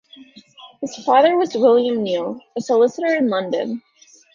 His father was William Neal, a solicitor in London.